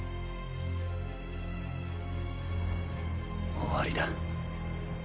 終わりだ。